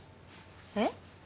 えっ？